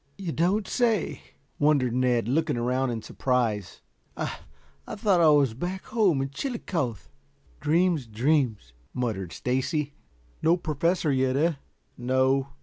"You don't say," wondered Ned, looking around in surprise. "I I thought I was back home in Chillicothe." "Dreams, dreams," muttered Stacy. "No Professor yet, eh?" "No.